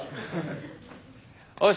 よし！